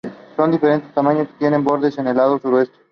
Son de diferentes tamaños y tienen bordes en el lado sureste.